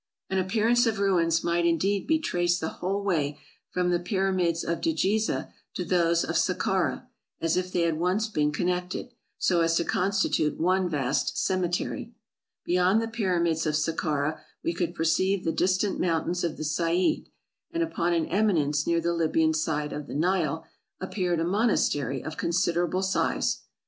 An appearance of ruins might indeed be traced the whole way from the Pyramids of Djiza to those of Sac cara, as if they had once been connected, so as to constitute one vast cemetery. Beyond the Pyramids of Saccara we could perceive the distant mountains of the Said ; and upon an eminence near the Libyan side of the Nile, appeared a monastery of considerable size.